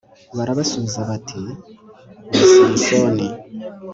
barabasubiza bati ni samusoni